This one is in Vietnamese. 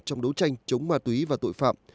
trong đấu tranh chống ma túy và tội phạm